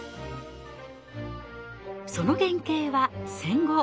その原型は戦後。